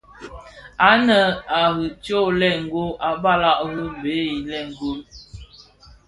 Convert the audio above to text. Ànë à riì tyông lëëgol, a balàg rì byey lëëgol.